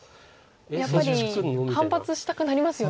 やっぱり反発したくなりますよね。